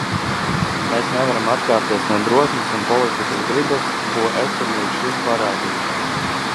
Mēs nevaram atkāpties no drosmes un politiskās gribas, ko esam līdz šim parādījuši.